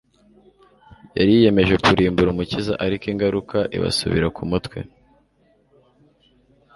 yari yiyemeje kurimbura Umukiza, ariko ingaruka ibasubira ku mutwe.